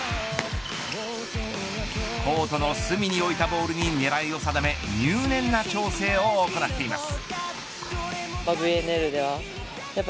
コートの隅に置いたボールに狙いを定め入念な調整を行っています。